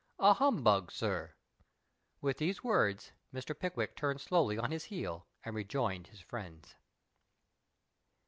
" A humbug, sir." With these words, Mr. Pickwick turned slowly on his heel, and rejoined his friends.